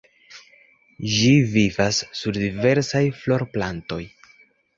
Ĝi vivas sur diversaj florplantoj.